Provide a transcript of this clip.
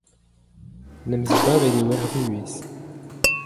En em zibabet eo er vuhez.